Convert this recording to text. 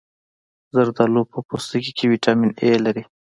زردالو په پوستکي کې ویټامین A لري.